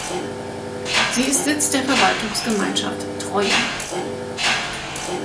Sie ist Sitz der Verwaltungsgemeinschaft Treuen.